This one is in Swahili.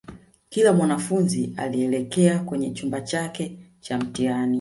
kila mwanafunzi alielekea kwenye chumba chake cha mtihani